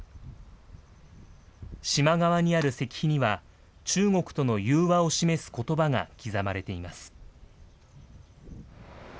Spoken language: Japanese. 島側にある石碑には、中国との融和を示すことばが刻まれています。